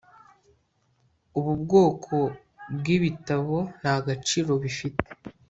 Ubu bwoko bwibitabo nta gaciro bifite